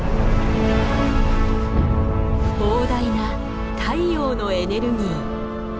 膨大な太陽のエネルギー。